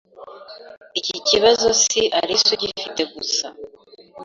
Iki kibazo si Alice ugifite gusa.